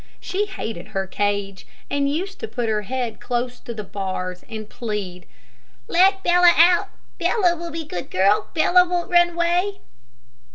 She hated her cage, and used to put her head close to the bars and plead, "Let Bella out; Bella will be a good girl. Bella won't run away."